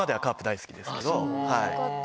よかった。